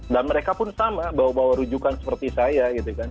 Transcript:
dan mereka pun sama bawa bawa rujukan seperti saya gitu kang